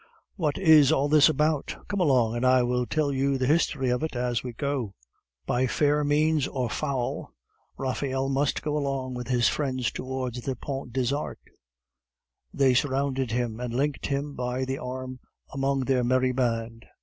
"What is all this about?" "Come along, and I will tell you the history of it as we go." By fair means or foul, Raphael must go along with his friends towards the Pont des Arts; they surrounded him, and linked him by the arm among their merry band.